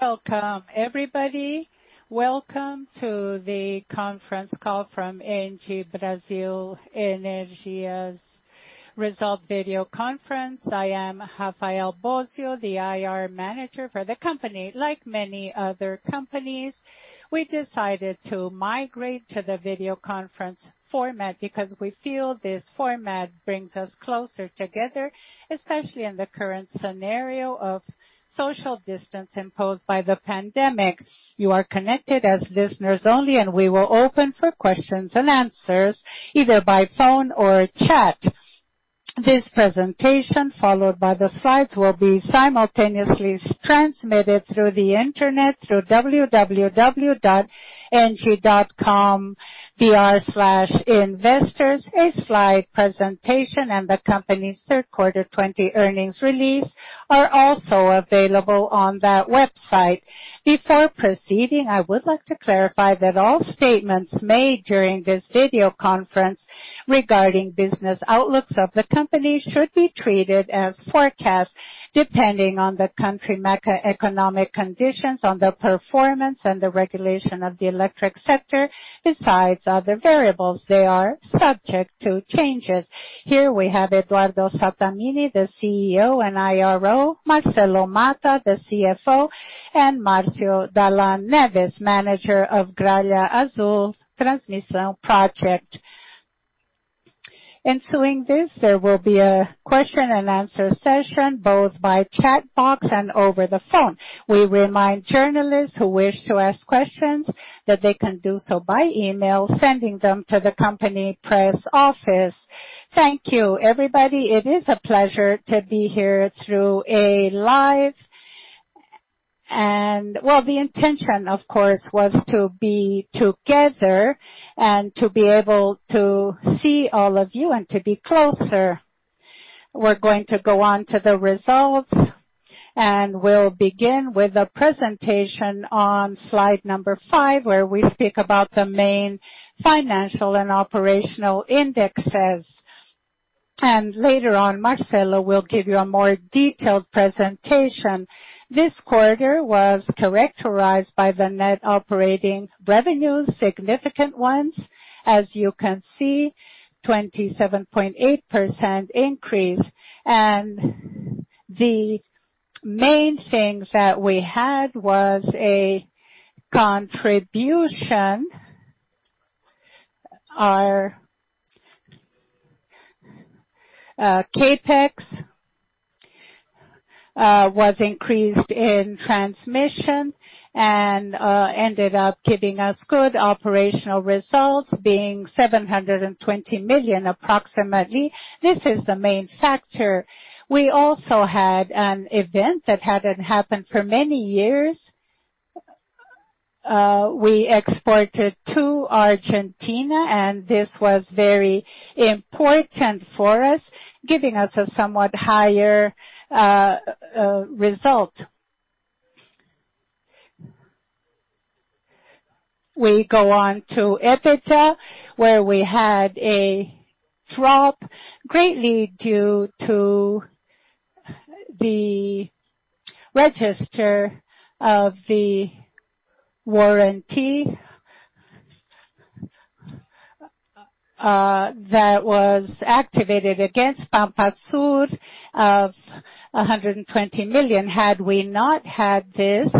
Welcome, everybody. Welcome to the conference call from ENGIE Brasil Energia's result video conference. I am Rafael Bósio, the IR Manager for the company. Like many other companies, we decided to migrate to the video conference format because we feel this format brings us closer together, especially in the current scenario of social distance imposed by the pandemic. You are connected as listeners only, and we will open for questions and answers either by phone or chat. This presentation, followed by the slides, will be simultaneously transmitted through the internet through www.engie.com/bin/investors. A slide presentation and the company's third quarter 2020 earnings release are also available on that website. Before proceeding, I would like to clarify that all statements made during this video conference regarding business outlooks of the company should be treated as forecasts, depending on the country's macroeconomic conditions, on the performance, and the regulation of the electric sector. Besides other variables, they are subject to changes. Here we have Eduardo Sattamini, the CEO and IRO; Marcelo Malta, the CFO; and Marcio Daian Neves, Manager of Gralha Azul Transmission Project. Ensuing this, there will be a question and answer session both by chat box and over the phone. We remind journalists who wish to ask questions that they can do so by email, sending them to the company press office. Thank you, everybody. It is a pleasure to be here through a live. The intention, of course, was to be together and to be able to see all of you and to be closer. We're going to go on to the results, and we'll begin with a presentation on slide number five, where we speak about the main financial and operational indexes. Later on, Marcelo will give you a more detailed presentation. This quarter was characterized by the net operating revenues, significant ones, as you can see, 27.8% increase. The main thing that we had was a contribution. Our CapEx was increased in transmission and ended up giving us good operational results, being 720 million, approximately. This is the main factor. We also had an event that hadn't happened for many years. We exported to Argentina, and this was very important for us, giving us a somewhat higher result. We go on to EBITDA, where we had a drop, greatly due to the register of the warranty that was activated against Pampa Sul of 120 million. Had we not had this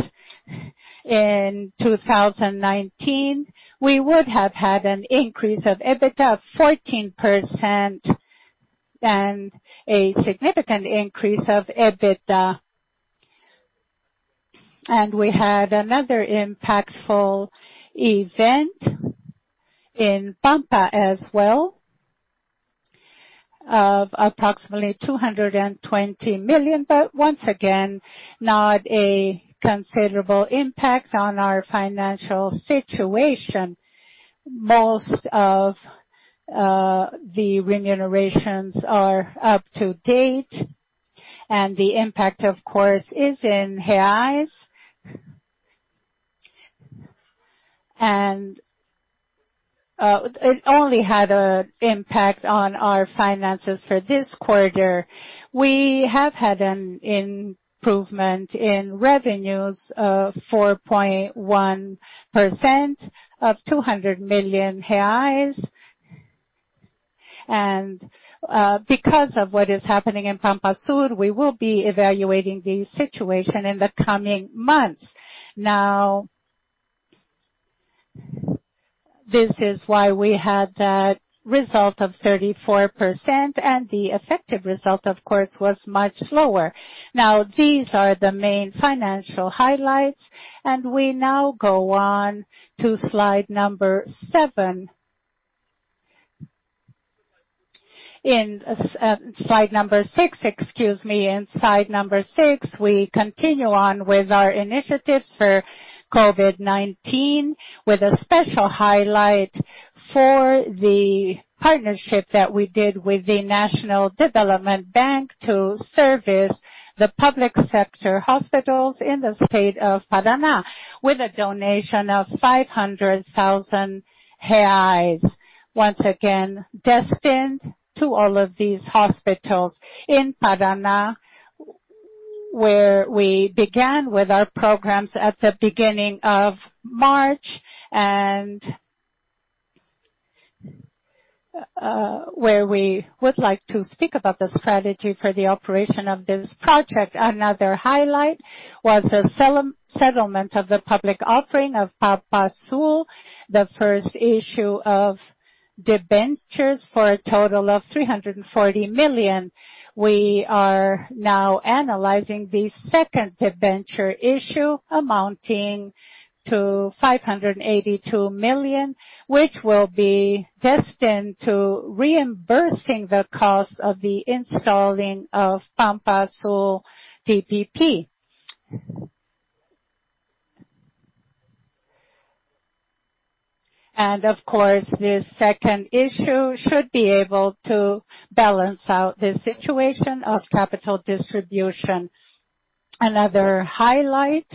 in 2019, we would have had an increase of EBITDA of 14% and a significant increase of EBITDA. We had another impactful event in Pampa as well of approximately 220 million, but once again, not a considerable impact on our financial situation. Most of the remunerations are up to date, and the impact, of course, is in BRL. It only had an impact on our finances for this quarter. We have had an improvement in revenues of 4.1% of BRL 200 million. Because of what is happening in Pampa Sul, we will be evaluating the situation in the coming months. This is why we had that result of 34%, and the effective result, of course, was much lower. These are the main financial highlights, and we now go on to slide number seven. In slide number six, excuse me, in slide number six, we continue on with our initiatives for COVID-19, with a special highlight for the partnership that we did with the National Development Bank to service the public sector hospitals in the state of Paraná, with a donation of 500,000 reais. Once again, destined to all of these hospitals in Paraná, where we began with our programs at the beginning of March, and where we would like to speak about the strategy for the operation of this project. Another highlight was the settlement of the public offering of Pampa Sul, the first issue of debentures for a total of 340 million. We are now analyzing the second debenture issue, amounting to 582 million, which will be destined to reimbursing the cost of the installing of Pampa Sul TPP. Of course, this second issue should be able to balance out the situation of capital distribution. Another highlight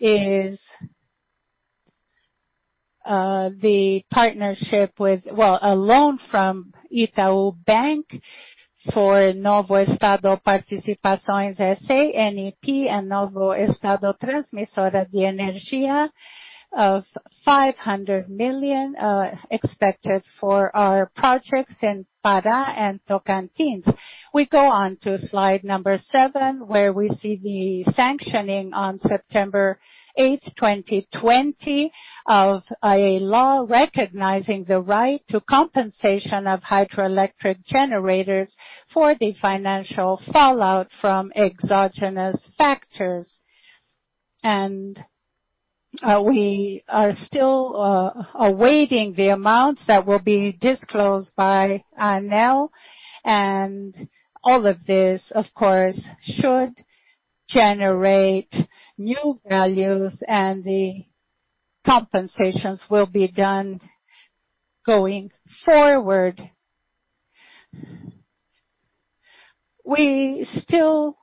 is the partnership with, well, a loan from Itaú Bank for Novo Estado Participações and Novo Estado Transmissora de Energia of 500 million expected for our projects in Pará and Tocantins. We go on to slide number seven, where we see the sanctioning on September 8, 2020, of a law recognizing the right to compensation of hydroelectric generators for the financial fallout from exogenous factors. We are still awaiting the amounts that will be disclosed by ANEEL, and all of this, of course, should generate new values, and the compensations will be done going forward. We still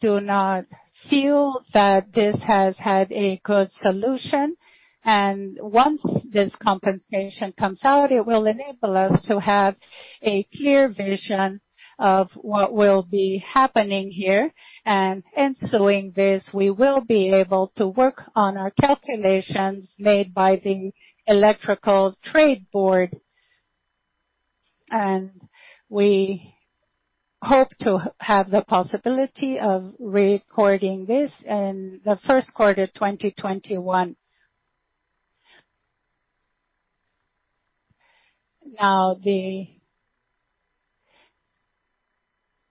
do not feel that this has had a good solution, and once this compensation comes out, it will enable us to have a clear vision of what will be happening here. Ensuing this, we will be able to work on our calculations made by the Electrical Trade Board. We hope to have the possibility of recording this in the first quarter of 2021.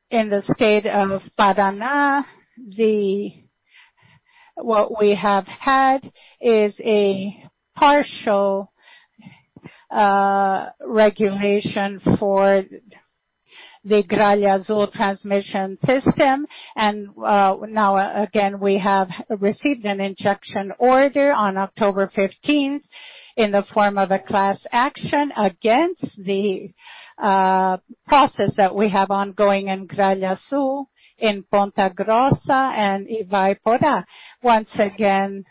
In the state of Paraná, what we have had is a partial regulation for the Gralha Azul Transmission System. Now, again, we have received an injunction order on October 15th in the form of a class action against the process that we have ongoing in Gralha Azul, in Ponta Grossa, and Ibiporã. Once again,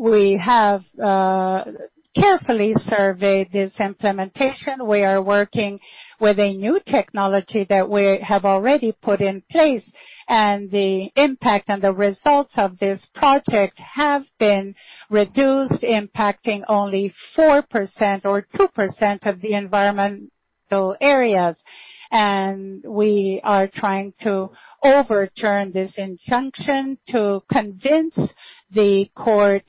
we have carefully surveyed this implementation. We are working with a new technology that we have already put in place, and the impact and the results of this project have been reduced, impacting only 4% or 2% of the environmental areas. We are trying to overturn this injunction to convince the court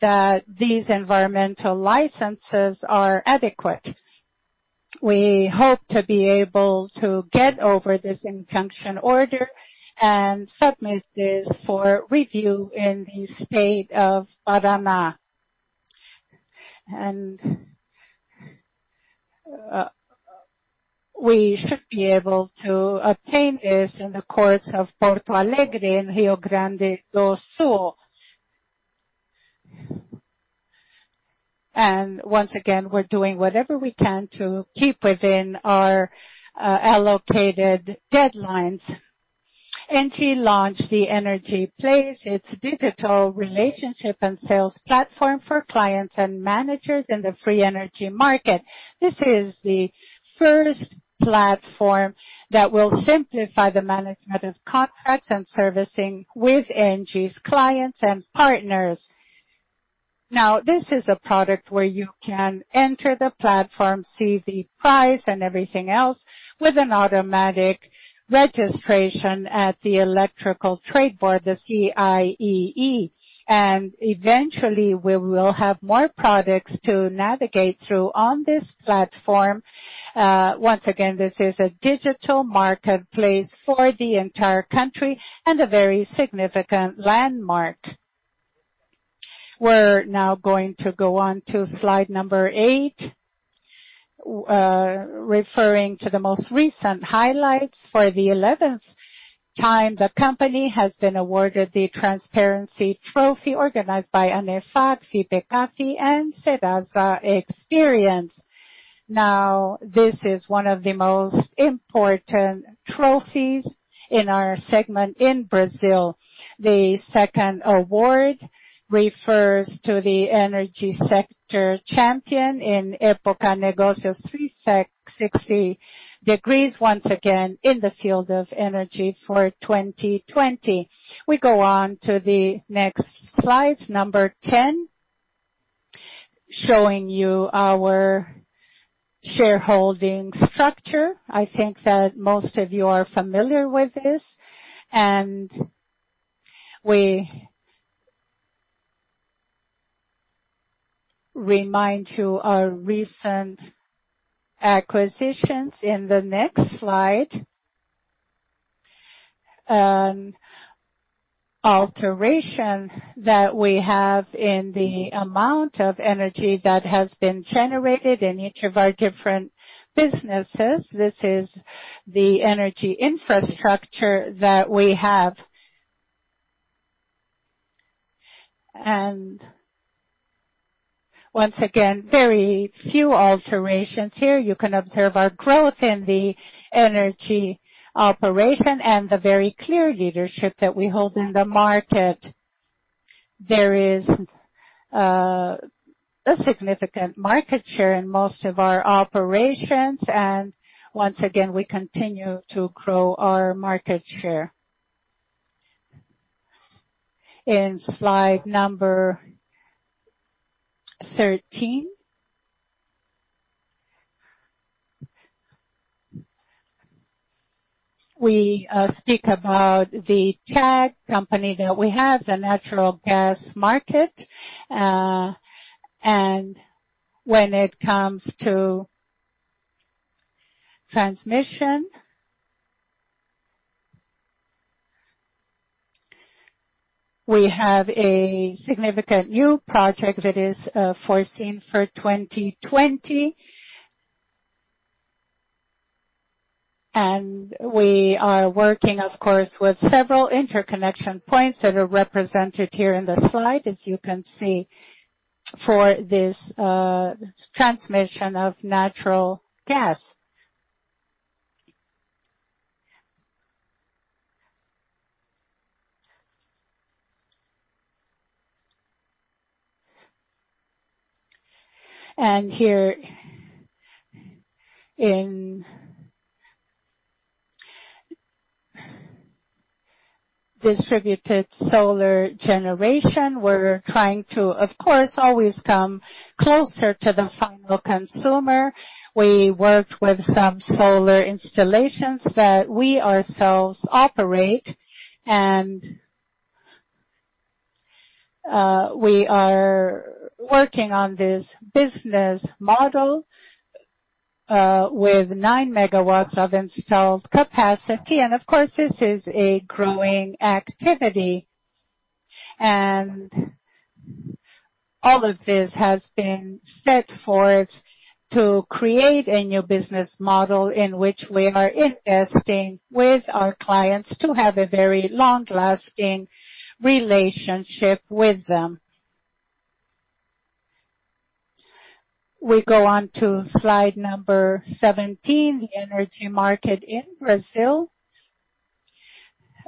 that these environmental licenses are adequate. We hope to be able to get over this injunction order and submit this for review in the state of Paraná. We should be able to obtain this in the courts of Porto Alegre and Rio Grande do Sul. Once again, we're doing whatever we can to keep within our allocated deadlines. ENGIE launched the Energy Place, its digital relationship and sales platform for clients and managers in the free energy market. This is the first platform that will simplify the management of contracts and servicing with ENGIE's clients and partners. This is a product where you can enter the platform, see the price and everything else, with an automatic registration at the Electrical Trade Board, the CIEE. Eventually, we will have more products to navigate through on this platform. Once again, this is a digital marketplace for the entire country and a very significant landmark. We're now going to go on to slide number eight, referring to the most recent highlights. For the 11th time, the company has been awarded the Transparency Trophy, organized by Anefac, Fipecapi, and Serasa Experian. This is one of the most important trophies in our segment in Brazil. The second award refers to the energy sector champion in Época Negócios 360°, once again in the field of energy for 2020. We go on to the next slide, number 10, showing you our shareholding structure. I think that most of you are familiar with this. We remind you of our recent acquisitions in the next slide. An alteration that we have in the amount of energy that has been generated in each of our different businesses. This is the energy infrastructure that we have. Once again, very few alterations here. You can observe our growth in the energy operation and the very clear leadership that we hold in the market. There is a significant market share in most of our operations. Once again, we continue to grow our market share. In slide number 13, we speak about the TAG company that we have, the natural gas market. When it comes to transmission, we have a significant new project that is foreseen for 2020. We are working, of course, with several interconnection points that are represented here in the slide, as you can see, for this transmission of natural gas. Here in distributed solar generation, we are trying to, of course, always come closer to the final consumer. We worked with some solar installations that we ourselves operate. We are working on this business model with 9 MW of installed capacity. Of course, this is a growing activity. All of this has been set forth to create a new business model in which we are investing with our clients to have a very long-lasting relationship with them. We go on to slide number 17, the energy market in Brazil.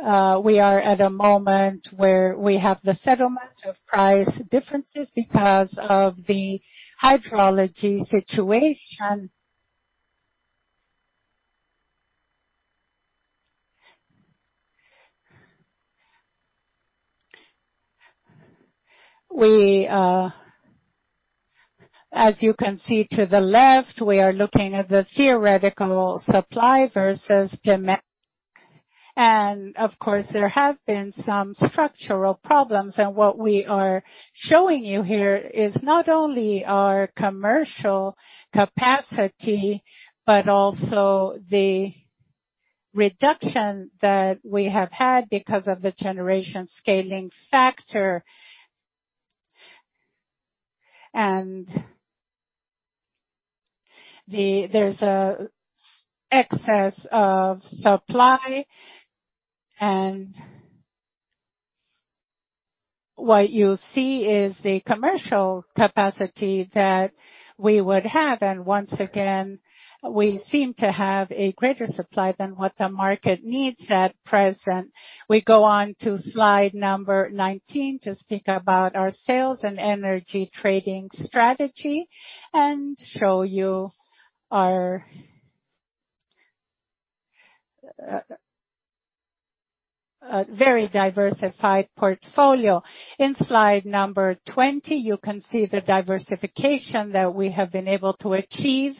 We are at a moment where we have the settlement of price differences because of the hydrology situation. As you can see to the left, we are looking at the theoretical supply versus demand. There have been some structural problems. What we are showing you here is not only our commercial capacity, but also the reduction that we have had because of the generation scaling factor. There is an excess of supply. What you see is the commercial capacity that we would have. Once again, we seem to have a greater supply than what the market needs at present. We go on to slide number 19 to speak about our sales and energy trading strategy and show you our very diversified portfolio. In slide number 20, you can see the diversification that we have been able to achieve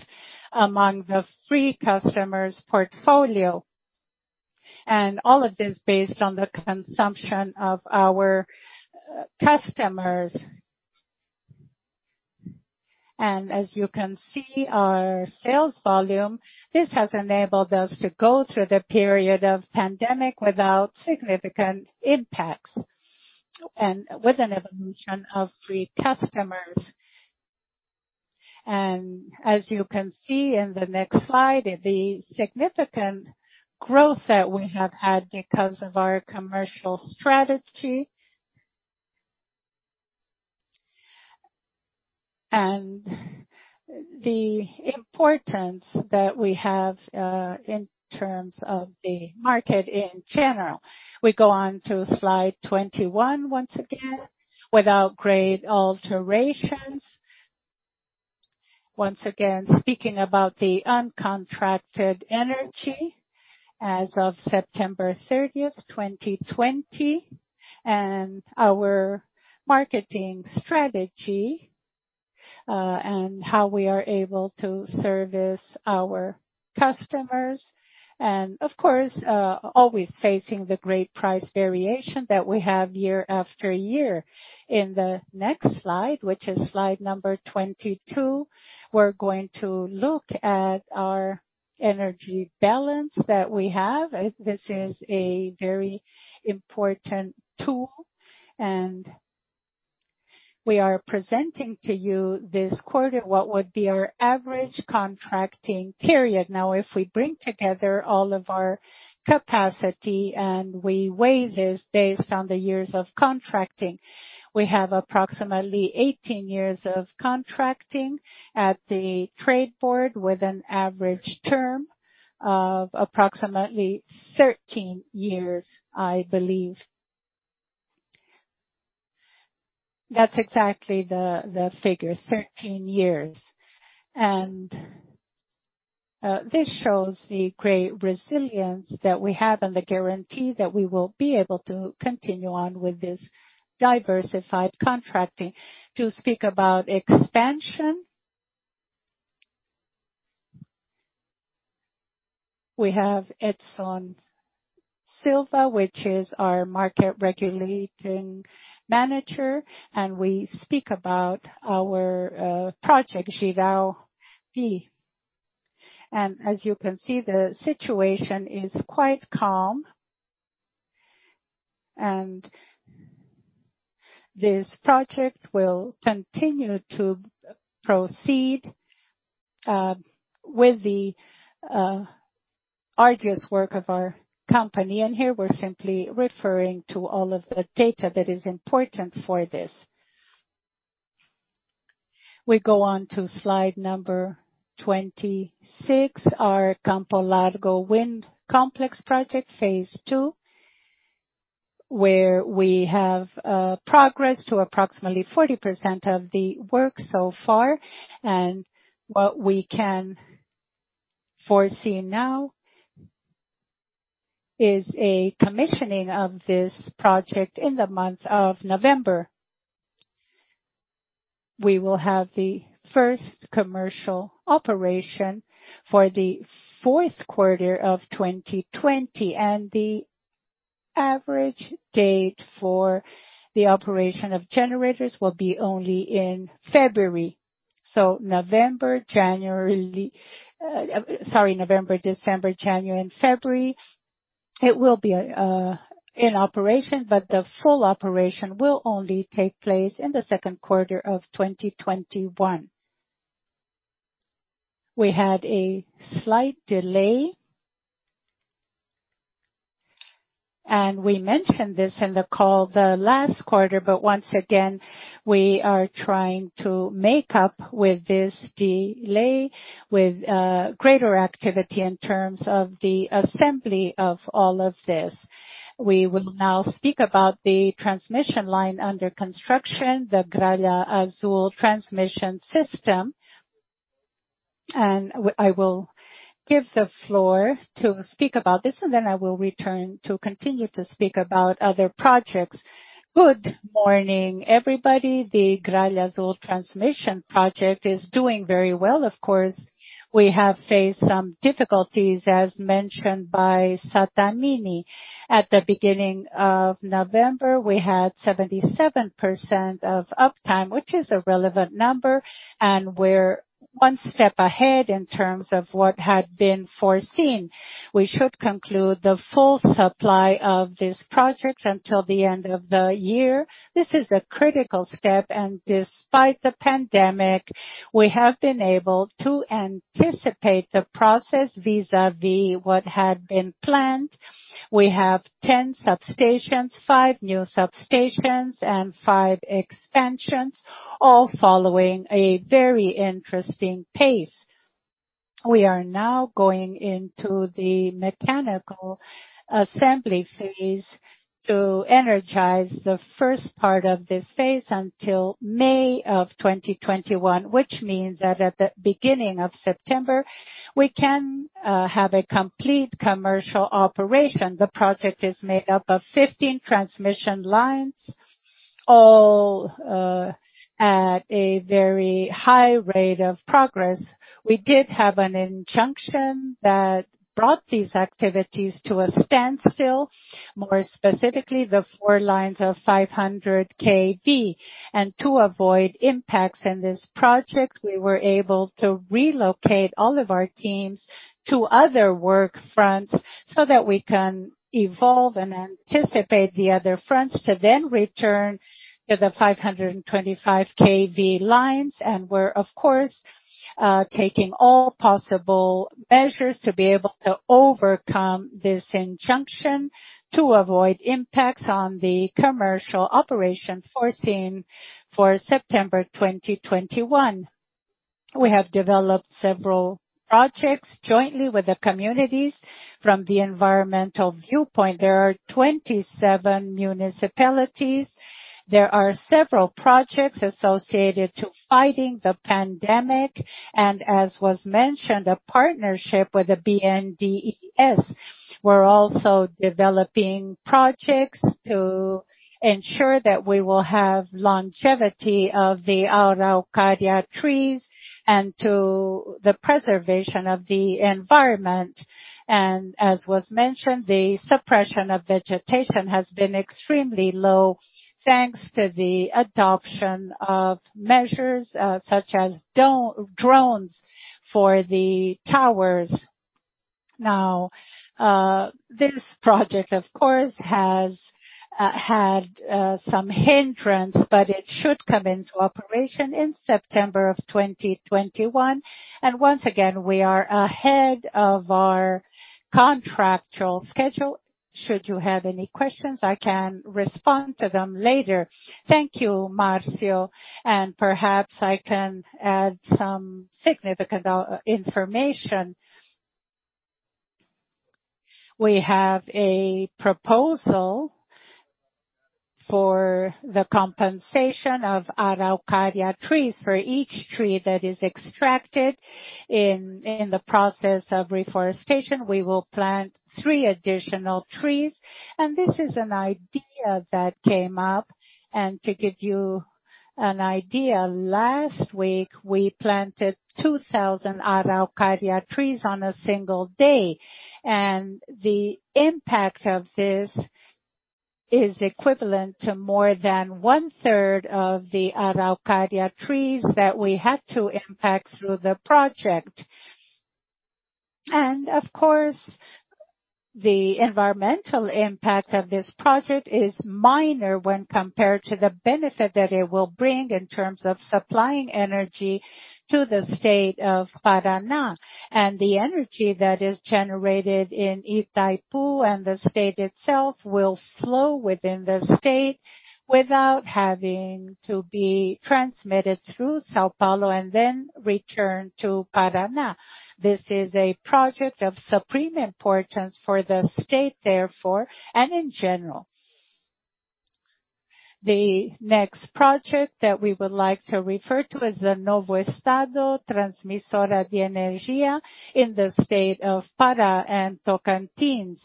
among the free customers' portfolio. All of this is based on the consumption of our customers. As you can see, our sales volume, this has enabled us to go through the period of pandemic without significant impacts and with an evolution of free customers. As you can see in the next slide, the significant growth that we have had is because of our commercial strategy and the importance that we have in terms of the market in general. We go on to slide 21 once again without great alterations. Once again, speaking about the uncontracted energy as of September 30th, 2020, and our marketing strategy and how we are able to service our customers. Of course, always facing the great price variation that we have year after year. In the next slide, which is slide number 22, we're going to look at our energy balance that we have. This is a very important tool. We are presenting to you this quarter what would be our average contracting period. Now, if we bring together all of our capacity and we weigh this based on the years of contracting, we have approximately 18 years of contracting at the Trade Board with an average term of approximately 13 years, I believe. That's exactly the figure, 13 years. This shows the great resilience that we have and the guarantee that we will be able to continue on with this diversified contracting. To speak about expansion, we have Edson Silva, which is our Market Regulation Manager. We speak about our project, Gaviao Real. As you can see, the situation is quite calm. This project will continue to proceed with the arduous work of our company. Here we are simply referring to all of the data that is important for this. We go on to slide number 26, our Campo Largo Wind Complex project, phase II, where we have progress to approximately 40% of the work so far. What we can foresee now is a commissioning of this project in the month of November. We will have the first commercial operation for the fourth quarter of 2020. The average date for the operation of generators will be only in February. November, December, January, and February, it will be in operation, but the full operation will only take place in the second quarter of 2021. We had a slight delay. We mentioned this in the call the last quarter, but once again, we are trying to make up with this delay with greater activity in terms of the assembly of all of this. We will now speak about the transmission line under construction, the Gralha Azul Transmission System. I will give the floor to speak about this, and then I will return to continue to speak about other projects. Good morning, everybody. The Gralha Azul Transmission Project is doing very well. Of course, we have faced some difficulties, as mentioned by Sattamini. At the beginning of November, we had 77% of uptime, which is a relevant number, and we're one step ahead in terms of what had been foreseen. We should conclude the full supply of this project until the end of the year. This is a critical step. Despite the pandemic, we have been able to anticipate the process vis-à-vis what had been planned. We have 10 substations, 5 new substations, and 5 expansions, all following a very interesting pace. We are now going into the mechanical assembly phase to energize the first part of this phase until May of 2021, which means that at the beginning of September, we can have a complete commercial operation. The project is made up of 15 transmission lines, all at a very high rate of progress. We did have an injunction that brought these activities to a standstill, more specifically the four lines of 500 kV. To avoid impacts in this project, we were able to relocate all of our teams to other work fronts so that we can evolve and anticipate the other fronts to then return to the 525 kV lines. We're, of course, taking all possible measures to be able to overcome this injunction to avoid impacts on the commercial operation foreseen for September 2021. We have developed several projects jointly with the communities from the environmental viewpoint. There are 27 municipalities. There are several projects associated to fighting the pandemic. As was mentioned, a partnership with the BNDES. We're also developing projects to ensure that we will have longevity of the Araucaria trees and to the preservation of the environment. As was mentioned, the suppression of vegetation has been extremely low thanks to the adoption of measures such as drones for the towers. This project, of course, has had some hindrance, but it should come into operation in September 2021. Once again, we are ahead of our contractual schedule. Should you have any questions, I can respond to them later. Thank you, Marcio. Perhaps I can add some significant information. We have a proposal for the compensation of Araucaria trees. For each tree that is extracted in the process of reforestation, we will plant three additional trees. This is an idea that came up. To give you an idea, last week, we planted 2,000 Araucaria trees on a single day. The impact of this is equivalent to more than 1/3 of the Araucaria trees that we had to impact through the project. Of course, the environmental impact of this project is minor when compared to the benefit that it will bring in terms of supplying energy to the state of Paraná. The energy that is generated in Itaipu and the state itself will flow within the state without having to be transmitted through São Paulo and then return to Paraná. This is a project of supreme importance for the state, therefore, and in general. The next project that we would like to refer to is the Novo Estado Transmissora de Energia in the state of Pará and Tocantins.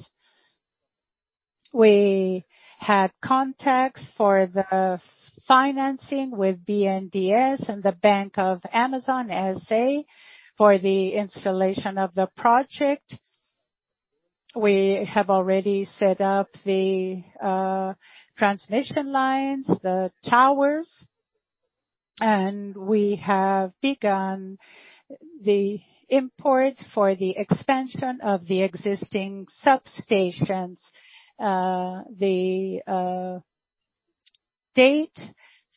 We had contacts for the financing with BNDES and Banco da Amazônia S.A. for the installation of the project. We have already set up the transmission lines, the towers, and we have begun the import for the expansion of the existing substations. The date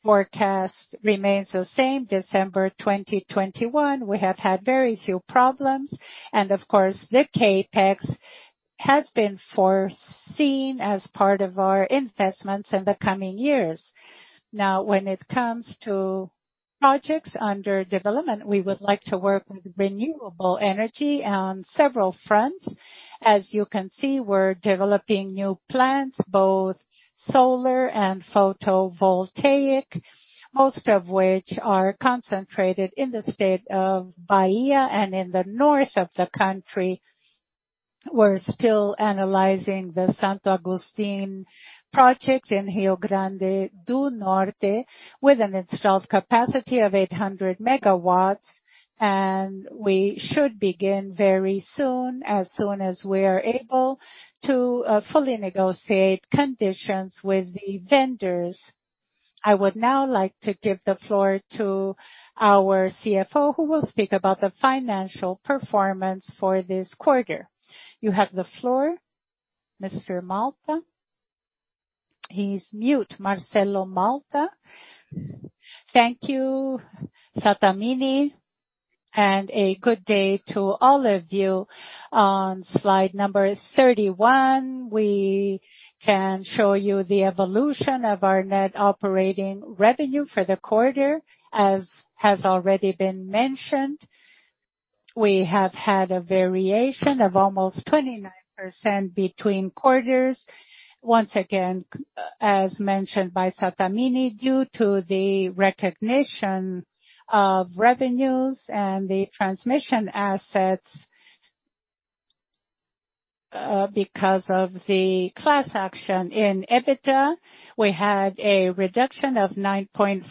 forecast remains the same, December 2021. We have had very few problems. Of course, the CapEx has been foreseen as part of our investments in the coming years. Now, when it comes to projects under development, we would like to work with renewable energy on several fronts. As you can see, we're developing new plants, both solar and photovoltaic, most of which are concentrated in the state of Bahia and in the north of the country. We're still analyzing the Santo Agostinho project in Rio Grande do Norte with an installed capacity of 800 MW. We should begin very soon, as soon as we are able to fully negotiate conditions with the vendors. I would now like to give the floor to our CFO, who will speak about the financial performance for this quarter. You have the floor, Mr. Malta. He's mute, Marcelo Malta. Thank you, Sattamini. A good day to all of you. On slide number 31, we can show you the evolution of our net operating revenue for the quarter, as has already been mentioned. We have had a variation of almost 29% between quarters. Once again, as mentioned by Sattamini, due to the recognition of revenues and the transmission assets. Because of the class action in EBITDA, we had a reduction of 9.4%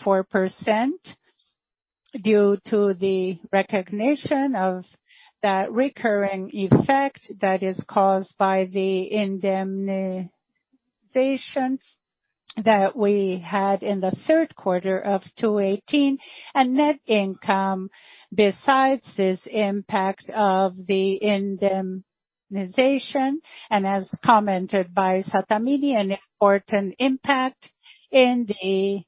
due to the recognition of that recurring effect that is caused by the indemnization that we had in the third quarter of 2018. Net income, besides this impact of the indemnization, and as commented by Sattamini, an important impact in the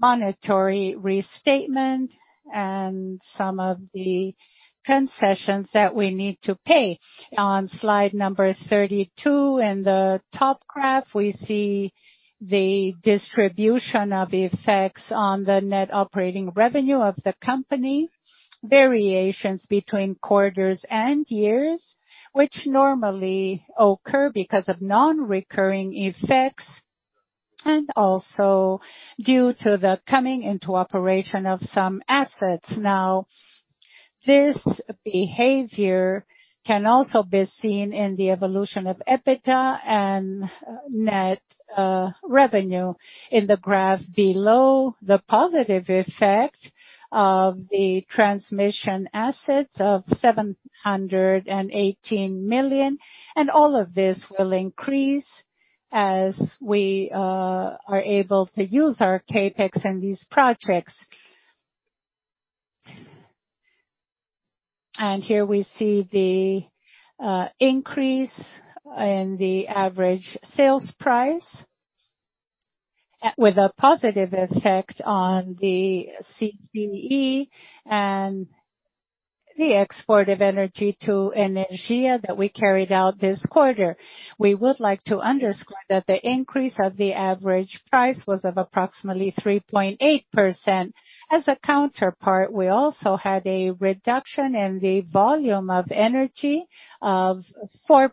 monetary restatement and some of the concessions that we need to pay. On slide number 32, in the top graph, we see the distribution of effects on the net operating revenue of the company, variations between quarters and years, which normally occur because of non-recurring effects and also due to the coming into operation of some assets. Now, this behavior can also be seen in the evolution of EBITDA and net revenue in the graph below. The positive effect of the transmission assets of 718 million. All of this will increase as we are able to use our CapEx in these projects. Here we see the increase in the average sales price with a positive effect on the CPE and the export of energy to Energia that we carried out this quarter. We would like to underscore that the increase of the average price was of approximately 3.8%. As a counterpart, we also had a reduction in the volume of energy of 4%,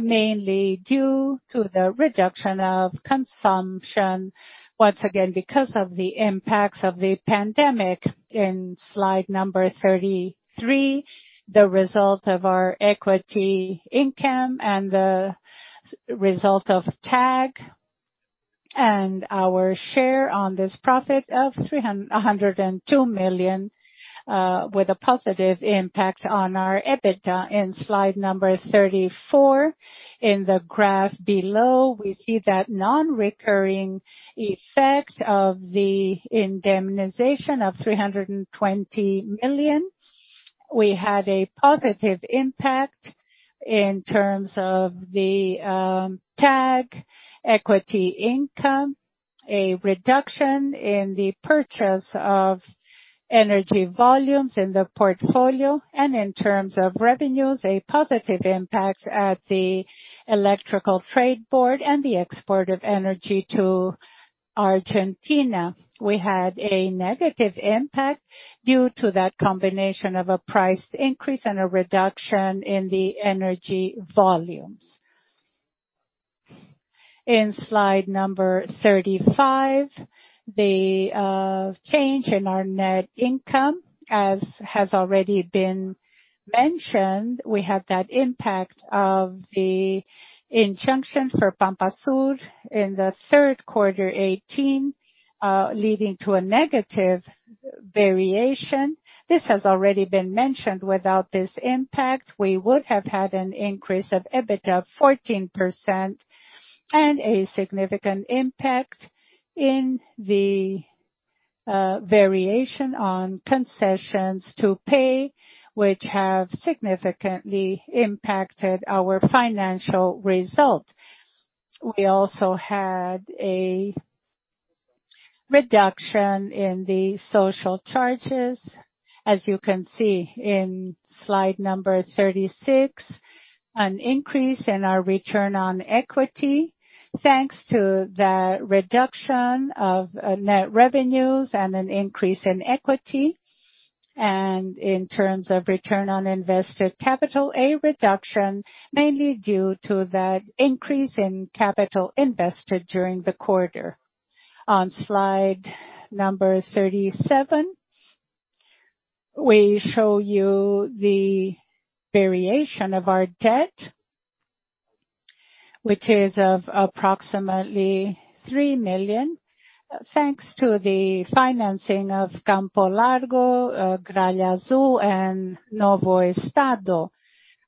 mainly due to the reduction of consumption, once again, because of the impacts of the pandemic. In slide number 33, the result of our equity income and the result of TAG and our share on this profit of 102 million with a positive impact on our EBITDA. In slide number 34, in the graph below, we see that non-recurring effect of the indemnization of 320 million. We had a positive impact in terms of the TAG equity income, a reduction in the purchase of energy volumes in the portfolio, and in terms of revenues, a positive impact at the Electrical Trade Board and the export of energy to Argentina. We had a negative impact due to that combination of a price increase and a reduction in the energy volumes. In slide number 35, the change in our net income, as has already been mentioned, we had that impact of the injunction for Pampa Sul in the third quarter 2018, leading to a negative variation. This has already been mentioned. Without this impact, we would have had an increase of EBITDA of 14% and a significant impact in the variation on concessions to pay, which have significantly impacted our financial result. We also had a reduction in the social charges, as you can see in slide number 36, an increase in our return on equity thanks to the reduction of net revenues and an increase in equity. In terms of return on invested capital, a reduction mainly due to that increase in capital invested during the quarter. On slide number 37, we show you the variation of our debt, which is of approximately 3 million, thanks to the financing of Campo Largo, Gralha Azul, and Novo Estado.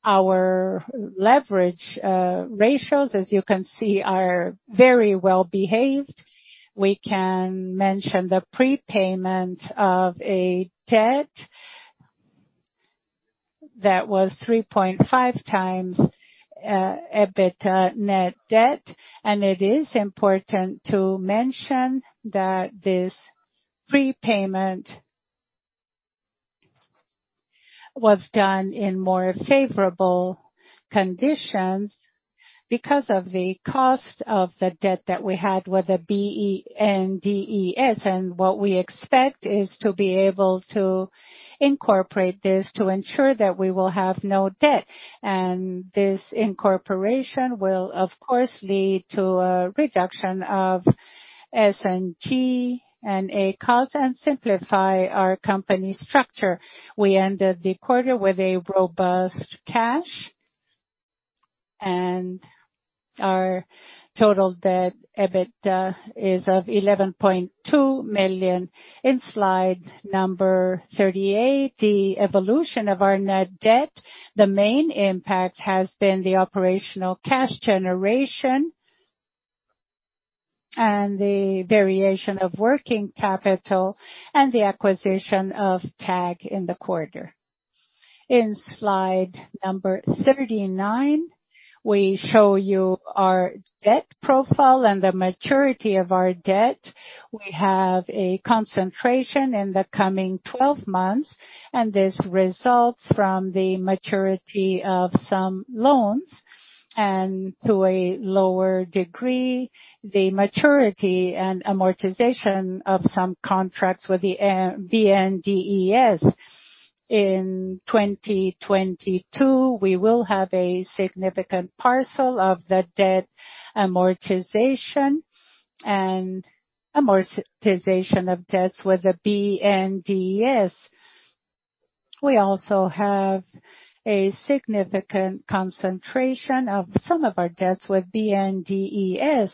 Our leverage ratios, as you can see, are very well-behaved. We can mention the prepayment of a debt that was 3.5x EBITDA net debt. It is important to mention that this prepayment was done in more favorable conditions because of the cost of the debt that we had with BNDES. What we expect is to be able to incorporate this to ensure that we will have no debt. This incorporation will, of course, lead to a reduction of S&G and a cost and simplify our company structure. We ended the quarter with a robust cash, and our total debt EBITDA is of 11.2 million in slide number 38. The evolution of our net debt, the main impact has been the operational cash generation and the variation of working capital and the acquisition of TAG in the quarter. In slide number 39, we show you our debt profile and the maturity of our debt. We have a concentration in the coming 12 months, and this results from the maturity of some loans and, to a lower degree, the maturity and amortization of some contracts with the BNDES. In 2022, we will have a significant parcel of the debt amortization and amortization of debts with the BNDES. We also have a significant concentration of some of our debts with BNDES.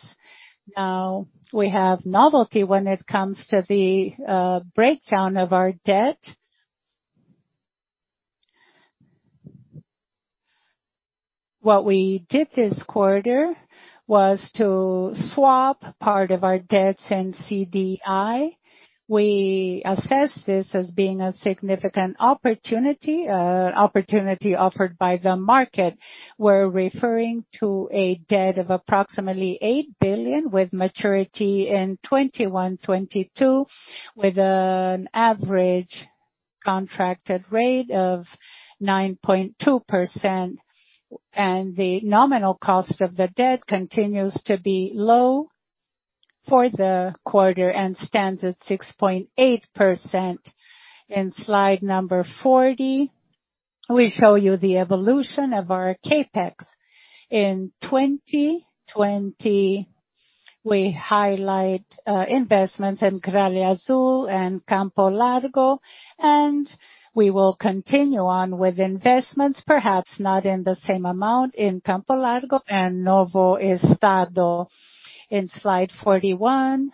Now, we have novelty when it comes to the breakdown of our debt. What we did this quarter was to swap part of our debts in CDI. We assessed this as being a significant opportunity, an opportunity offered by the market. We're referring to a debt of approximately 8 billion with maturity in 2021-2022, with an average contracted rate of 9.2%. The nominal cost of the debt continues to be low for the quarter and stands at 6.8%. In slide number 40, we show you the evolution of our CapEx. In 2020, we highlight investments in Gralha Azul and Campo Largo, and we will continue on with investments, perhaps not in the same amount in Campo Largo and Novo Estado. In slide 41,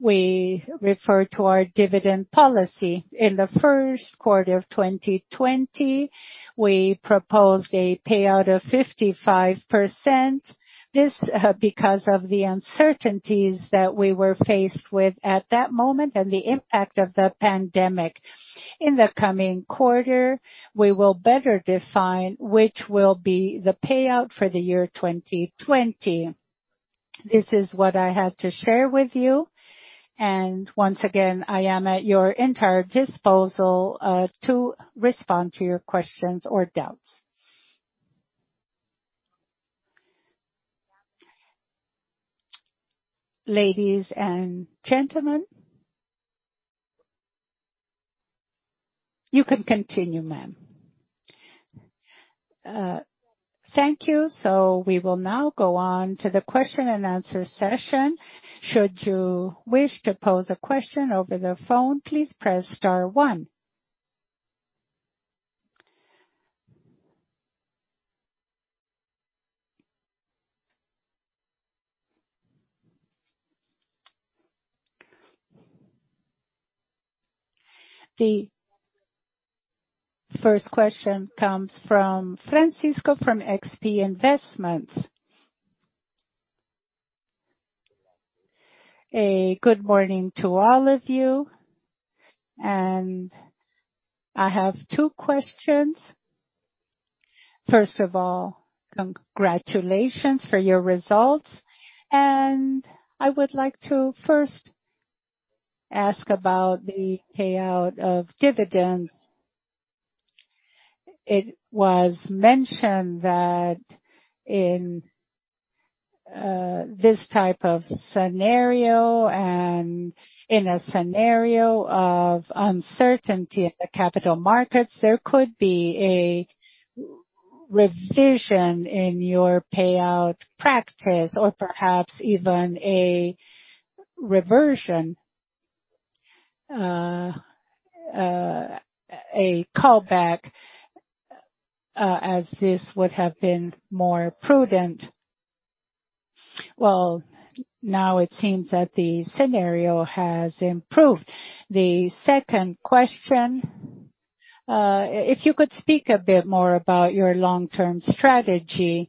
we refer to our dividend policy. In the first quarter of 2020, we proposed a payout of 55%. This is because of the uncertainties that we were faced with at that moment and the impact of the pandemic. In the coming quarter, we will better define which will be the payout for the year 2020. This is what I had to share with you. Once again, I am at your entire disposal to respond to your questions or doubts. Ladies and gentlemen, You can continue, ma'am. Thank you. We will now go on to the question and answer session. Should you wish to pose a question over the phone, please press star one. The first question comes from Francisco from XP Investimentos. A good morning to all of you. I have two questions. First of all, congratulations for your results. I would like to first ask about the payout of dividends. It was mentioned that in this type of scenario and in a scenario of uncertainty in the capital markets, there could be a revision in your payout practice or perhaps even a reversion, a callback, as this would have been more prudent. Now it seems that the scenario has improved. The second question, if you could speak a bit more about your long-term strategy,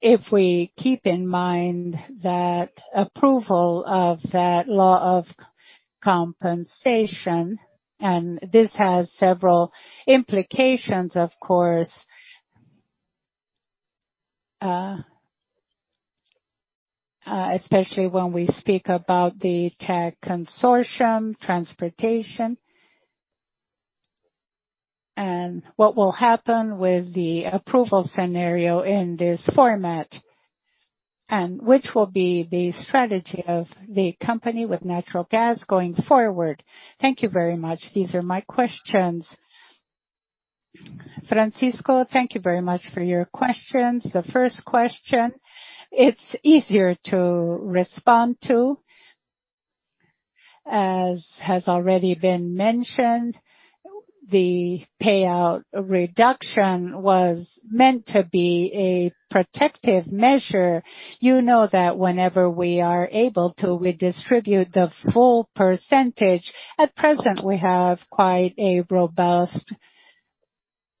if we keep in mind that approval of that law of compensation, and this has several implications, of course, especially when we speak about the TAG consortium transportation, and what will happen with the approval scenario in this format, and which will be the strategy of the company with natural gas going forward. Thank you very much. These are my questions. Francisco, thank you very much for your questions. The first question, it's easier to respond to, as has already been mentioned. The payout reduction was meant to be a protective measure. You know that whenever we are able to, we distribute the full percentage. At present, we have quite a robust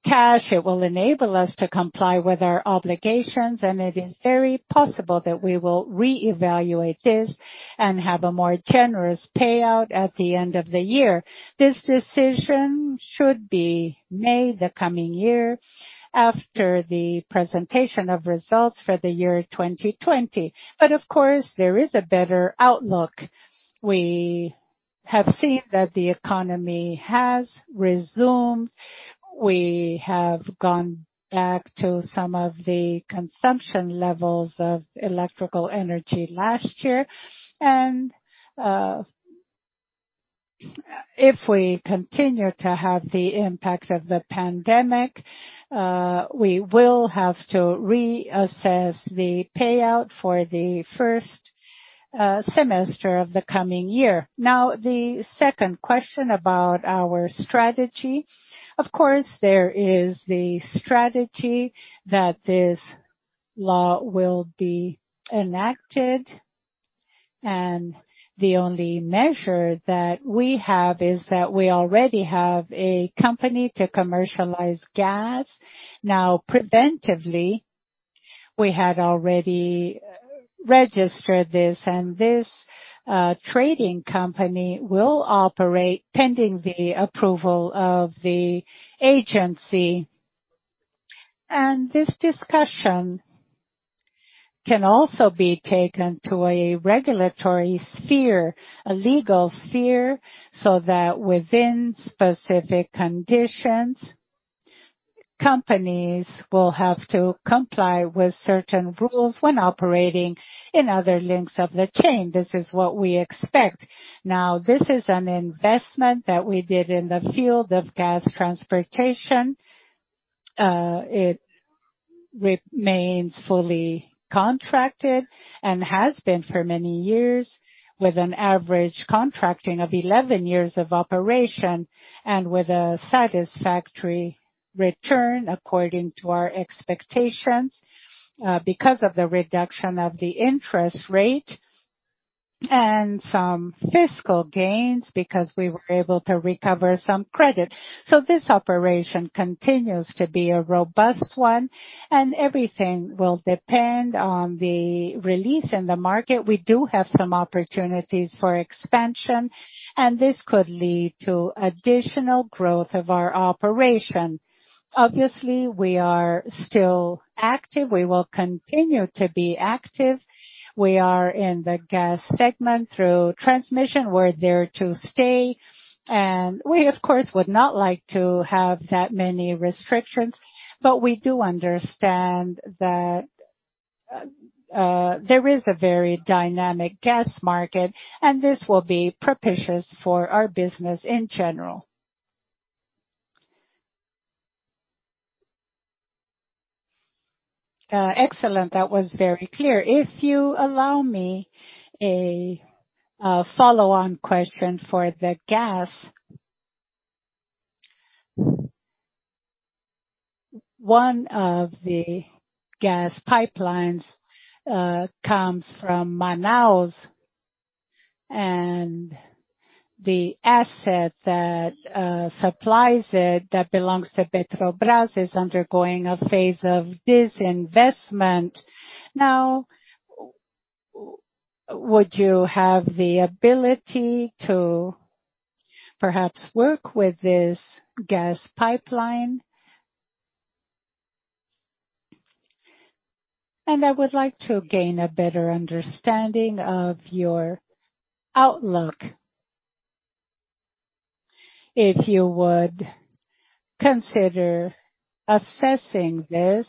cash. It will enable us to comply with our obligations, and it is very possible that we will reevaluate this and have a more generous payout at the end of the year. This decision should be made the coming year after the presentation of results for the year 2020. Of course, there is a better outlook. We have seen that the economy has resumed. We have gone back to some of the consumption levels of electrical energy last year. If we continue to have the impact of the pandemic, we will have to reassess the payout for the first semester of the coming year. Now, the second question about our strategy. Of course, there is the strategy that this law will be enacted. The only measure that we have is that we already have a company to commercialize gas. Now, preventively, we had already registered this, and this trading company will operate pending the approval of the agency. This discussion can also be taken to a regulatory sphere, a legal sphere, so that within specific conditions, companies will have to comply with certain rules when operating in other links of the chain. This is what we expect. This is an investment that we did in the field of gas transportation. It remains fully contracted and has been for many years, with an average contracting of 11 years of operation and with a satisfactory return according to our expectations because of the reduction of the interest rate and some fiscal gains because we were able to recover some credit. This operation continues to be a robust one, and everything will depend on the release in the market. We do have some opportunities for expansion, and this could lead to additional growth of our operation. Obviously, we are still active. We will continue to be active. We are in the gas segment through transmission. We're there to stay. We, of course, would not like to have that many restrictions, but we do understand that there is a very dynamic gas market, and this will be propitious for our business in general. Excellent. That was very clear. If you allow me a follow-on question for the gas. One of the gas pipelines comes from Manaus, and the asset that supplies it that belongs to Petrobras is undergoing a phase of disinvestment. Now, would you have the ability to perhaps work with this gas pipeline? I would like to gain a better understanding of your outlook if you would consider assessing this,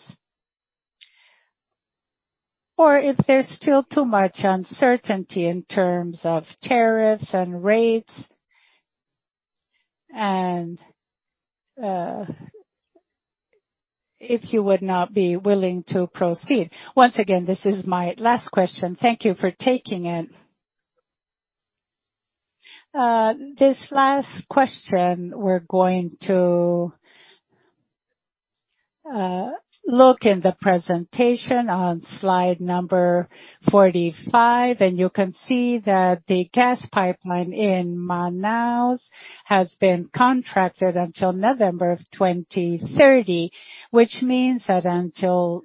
or if there's still too much uncertainty in terms of tariffs and rates, and if you would not be willing to proceed. Once again, this is my last question. Thank you for taking it. This last question, we're going to look in the presentation on slide number 45, and you can see that the gas pipeline in Manaus has been contracted until November of 2030, which means that until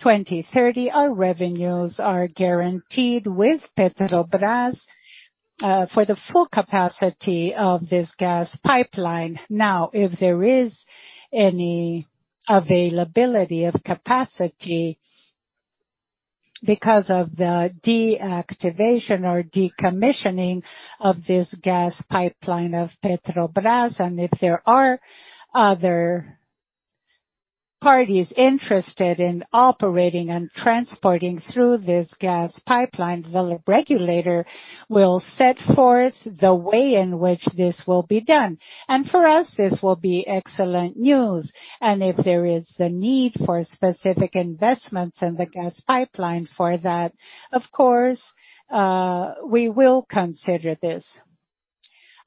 2030, our revenues are guaranteed with Petrobras for the full capacity of this gas pipeline. Now, if there is any availability of capacity because of the deactivation or decommissioning of this gas pipeline of Petrobras, and if there are other parties interested in operating and transporting through this gas pipeline, the regulator will set forth the way in which this will be done. For us, this will be excellent news. If there is the need for specific investments in the gas pipeline for that, of course, we will consider this.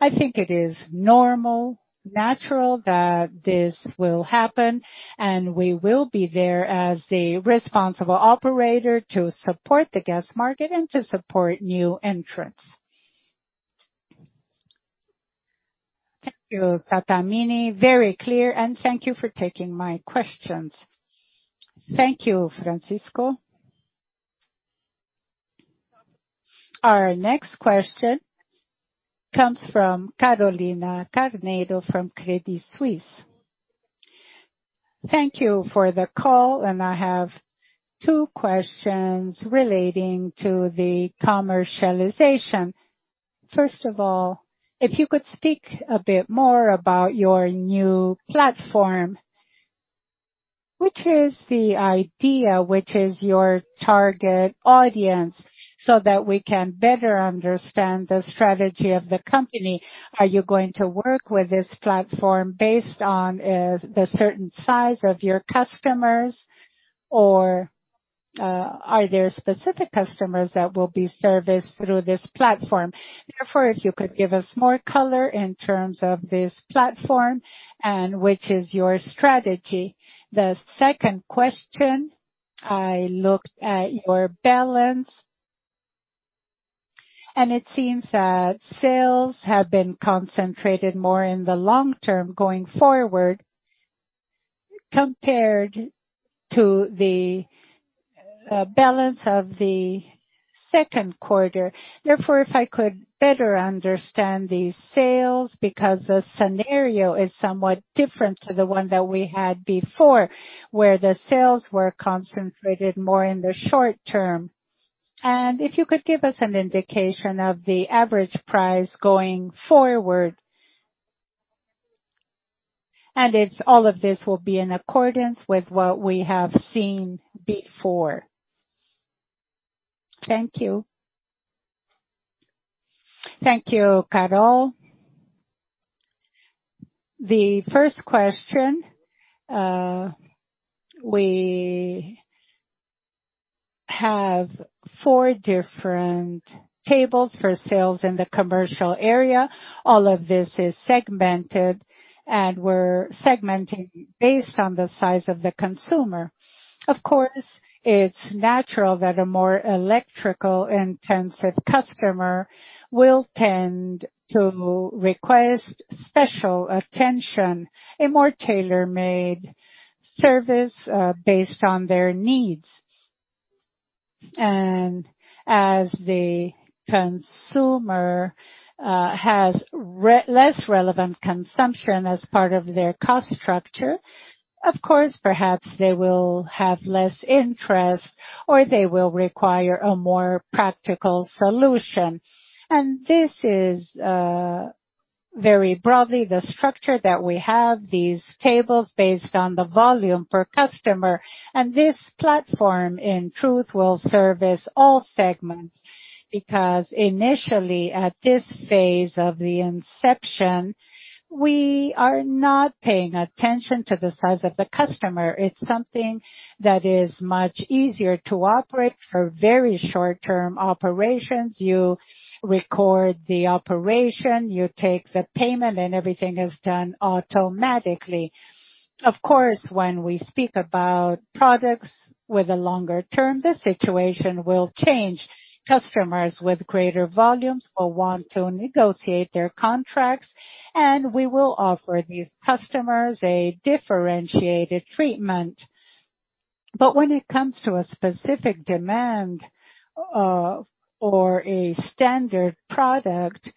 I think it is normal, natural that this will happen, and we will be there as the responsible operator to support the gas market and to support new entrants. Thank you, Sattamini. Very clear. Thank you for taking my questions. Thank you, Francisco. Our next question comes from Carolina Carneiro from Credit Suisse. Thank you for the call, and I have two questions relating to the commercialization. First of all, if you could speak a bit more about your new platform, which is the idea, which is your target audience so that we can better understand the strategy of the company. Are you going to work with this platform based on the certain size of your customers, or are there specific customers that will be serviced through this platform? Therefore, if you could give us more color in terms of this platform and which is your strategy. The second question, I looked at your balance, and it seems that sales have been concentrated more in the long term going forward compared to the balance of the second quarter. Therefore, if I could better understand the sales because the scenario is somewhat different to the one that we had before, where the sales were concentrated more in the short term. If you could give us an indication of the average price going forward, and if all of this will be in accordance with what we have seen before. Thank you. Thank you, Carol. The first question, we have four different tables for sales in the commercial area. All of this is segmented, and we're segmenting based on the size of the consumer. Of course, it's natural that a more electrical-intensive customer will tend to request special attention, a more tailor-made service based on their needs. As the consumer has less relevant consumption as part of their cost structure, of course, perhaps they will have less interest or they will require a more practical solution. This is very broadly the structure that we have, these tables based on the volume per customer. This platform, in truth, will service all segments because initially, at this phase of the inception, we are not paying attention to the size of the customer. It's something that is much easier to operate for very short-term operations. You record the operation, you take the payment, and everything is done automatically. Of course, when we speak about products with a longer term, the situation will change. Customers with greater volumes will want to negotiate their contracts, and we will offer these customers a differentiated treatment. When it comes to a specific demand or a standard product,